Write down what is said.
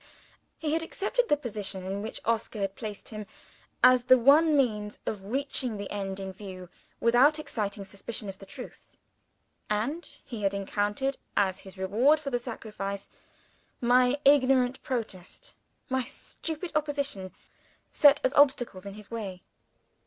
He had accepted the position in which Oscar had placed him, as the one means of reaching the end in view without exciting suspicion of the truth and he had encountered, as his reward for the sacrifice, my ignorant protest, my stupid opposition, set as obstacles in his way!